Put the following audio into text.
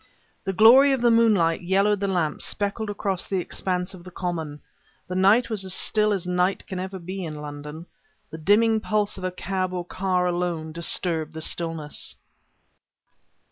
The glory of the moonlight yellowed the lamps speckled across the expanse of the common. The night was as still as night can ever be in London. The dimming pulse of a cab or car alone disturbed the stillness.